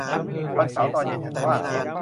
วันเสาร์ตอนเย็นฉันว่าง